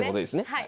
はい。